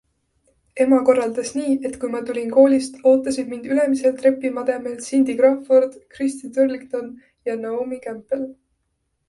Ema korraldas nii, et kui ma tulin koolist, ootasid mind ülemisel trepimademel Cindy Crawford, Christy Turlington ja Naomi Campbell.